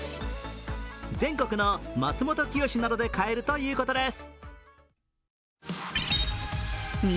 全国のマツモトキヨシなどで買えるということです。